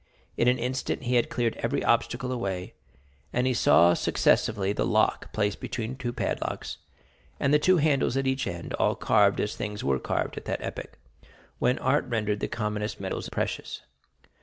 In an instant he had cleared every obstacle away, and he saw successively the lock, placed between two padlocks, and the two handles at each end, all carved as things were carved at that epoch, when art rendered the commonest metals precious.